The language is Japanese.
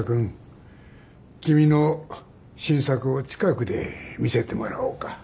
君の新作を近くで見せてもらおうか。